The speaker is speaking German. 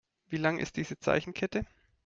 Wie lang ist diese Zeichenkette?